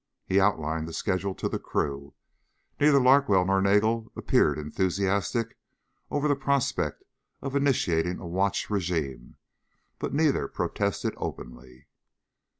He outlined the schedule to the crew. Neither Larkwell nor Nagel appeared enthusiastic over the prospect of initiating a watch regime, but neither protested openly.